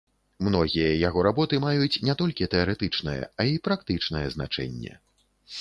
Многія яго работы маюць не толькі тэарэтычнае, а і практычнае значэнне.